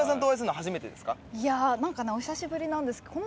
いや何かねお久しぶりなんです。